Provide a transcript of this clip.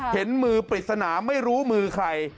เห็นมือปริศนาไม่รู้มือใคร